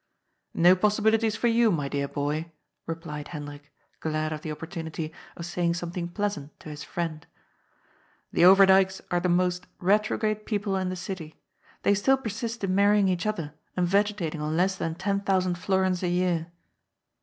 " N"o possibilities for you, my dear boy," replied Hen drik, glad of the opportunity of saying something pleasant to his " friend." " The Overdyks are the most retrograde TEE POWER OF ATTORNEY. 315 people in the city. They still persist in marrying each other and yegetating on less than ten thousand florins a year."